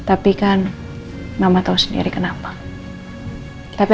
aku juga mau